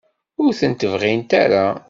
Ur tent-bɣint ara?